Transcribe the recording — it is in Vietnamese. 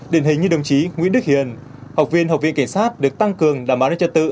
đền hình như đồng chí nguyễn đức hiền học viên học viên cảnh sát được tăng cường đảm bảo an ninh trật tự